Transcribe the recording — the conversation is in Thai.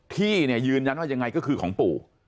ที่เนี่ยยืนยันว่ายังไงก็คือของปู่